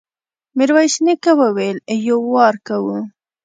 ميرويس نيکه وويل: يو وار کوو.